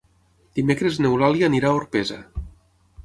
Dimecres n'Eulàlia anirà a Orpesa.